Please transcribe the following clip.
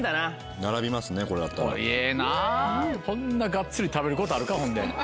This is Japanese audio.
こんながっつり食べることあるかほんで。